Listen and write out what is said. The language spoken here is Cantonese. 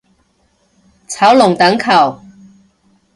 炒龍躉球